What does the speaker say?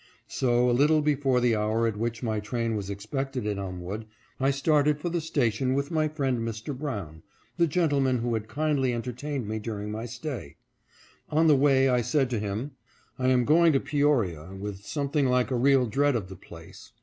So a little before the hour at which my train was expected at Elmwood, I started for the station with my friend Mr. Brown, the gentleman who had kindly en tertained me during my stay. On the way I said to him, " I am going to Peoria with something like a real dread of the place.